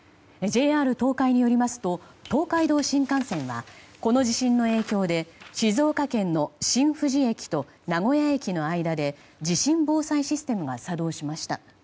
ＪＲ東海によりますと東海道新幹線はこの地震の影響で静岡県の新富士駅と名古屋駅の間で地震防災システムが作動しました。